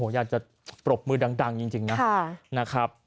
อยากจะปรบมือดังจริงนะครับ